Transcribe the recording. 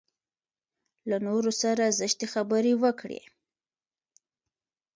له نورو سره زشتې خبرې وکړي.